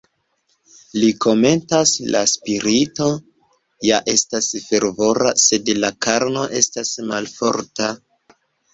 Li komentas: "La spirito ja estas fervora, sed la karno estas malforta".